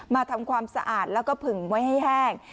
ทำความสะอาดแล้วก็ผึ่งไว้ให้แห้ง